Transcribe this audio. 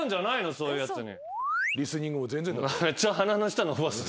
そういうやつに。